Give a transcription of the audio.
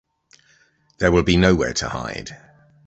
There will be nowhere to hide.